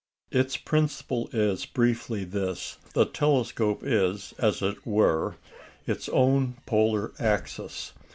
Its principle is briefly this: The telescope is, as it were, its own polar axis.